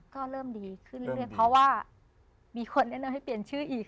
ก็เริ่มดีขึ้นเรื่อยเพราะว่ามีคนแนะนำให้เปลี่ยนชื่ออีก